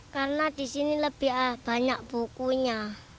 karena di sini lebih banyak bukunya